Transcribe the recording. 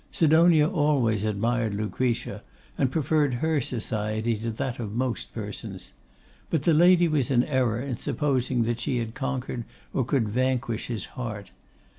Sidonia always admired Lucretia, and preferred her society to that of most persons. But the Lady was in error in supposing that she had conquered or could vanquish his heart.